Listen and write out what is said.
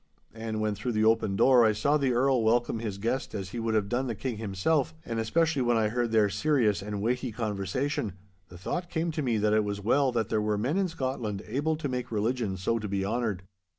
And when through the open door I saw the Earl welcome his guest as he would have done the King himself, and especially when I heard their serious and weighty conversation, the thought came to me that it was well that there were men in Scotland able to make religion so to be honoured.